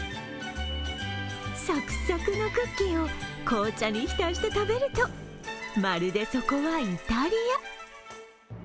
サクサクのクッキーを紅茶にひたして食べると、まるで、そこはイタリア。